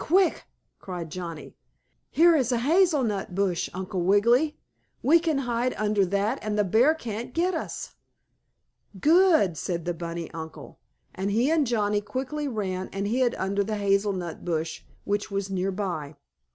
Quick!" cried Johnnie. "Here is a hazel nut bush, Uncle Wiggily. We can hide under that and the bear can't get us!" "Good!" said the bunny uncle. And he and Johnnie quickly ran and hid under the hazel nut bush, which was nearby.